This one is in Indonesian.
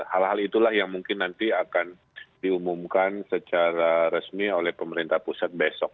hal hal itulah yang mungkin nanti akan diumumkan secara resmi oleh pemerintah pusat besok